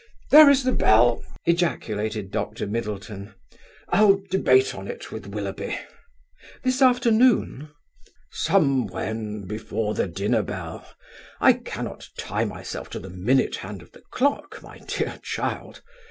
"There is the bell!" ejaculated Dr. Middleton. "I'll debate on it with Willoughby." "This afternoon?" "Somewhen, before the dinner bell. I cannot tie myself to the minute hand of the clock, my dear child.